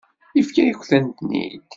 Yefka-yakent-ten-id.